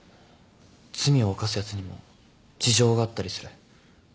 罪を犯すやつにも事情があったりする。